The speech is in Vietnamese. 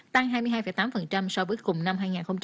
tăng hai mươi hai tám so với cùng năm hai nghìn một mươi chín